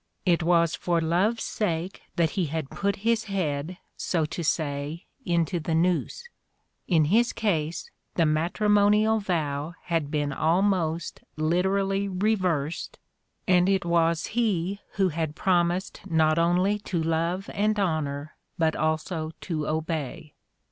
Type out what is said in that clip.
It was for love's sake that he had put his head, so to say, into the noose ; in his case the matrimonial vow had been almost lite rally reversed and it was he who had promised not only to love and honor but also to obey.